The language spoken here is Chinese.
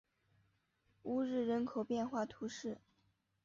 乌日人口变化图示